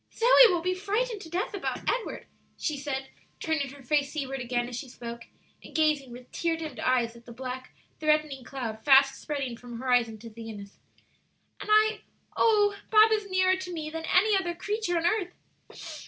"Zoe will be frightened to death about Edward," she said, turning her face seaward again as she spoke, and gazing with tear dimmed eyes at the black, threatening cloud fast spreading from horizon to zenith, "and I oh, Bob is nearer to me than any other creature on earth!"